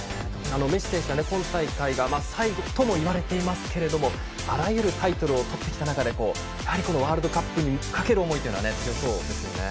メッシ選手は今大会が最後ともいわれていますけどもあらゆるタイトルをとってきた中でワールドカップにかける思いは強そうですよね。